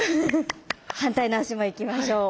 反対の足もいきましょう。